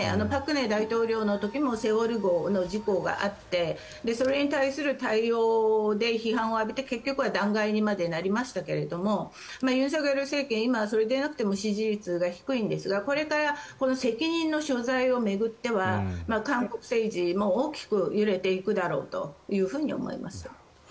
朴槿惠大統領の時も「セウォル号」の事故があってそれに対する対応で批判を浴びて結局は弾劾にまでなりましたが尹錫悦政権それでなくても支持率が低いんですがこれから責任の所在を巡っては韓国政治も大きく揺れていくだろうと思います。